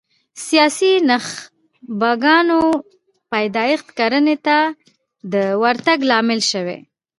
سیاسي نخبګانو پیدایښت کرنې ته د ورتګ لامل شوي